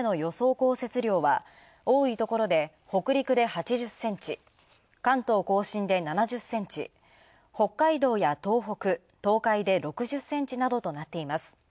降雪量は、多いところで北陸で８０ｃｍ、関東・甲信で７０ｃｍ、北海道や東北、東海で６０ｃｍなどとなっています。